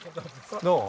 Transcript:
どう？